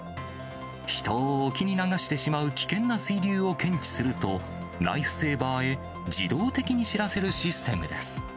人を沖に流してしまう危険な水流を検知すると、ライフセーバーへ自動的に知らせるシステムです。